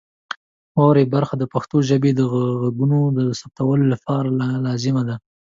واورئ برخه د پښتو ژبې د غږونو د ثبتولو لپاره لازمه ده.